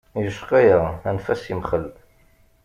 Yecqa-yaɣ anef-as yemxel.